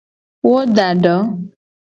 Wo da do.